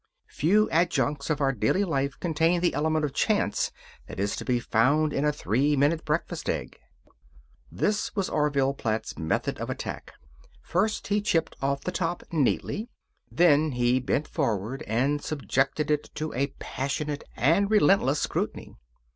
Few adjuncts of our daily life contain the element of chance that is to be found in a three minute breakfast egg. This was Orville Platt's method of attack: first, he chipped off the top, neatly. Then he bent forward and subjected it to a passionate and relentless scrutiny.